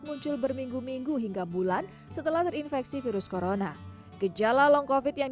muncul berminggu minggu hingga bulan setelah terinfeksi virus corona gejala long covid yang